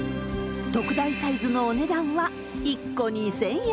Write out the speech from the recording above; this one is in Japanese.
特大サイズのお値段は、１個２０００円。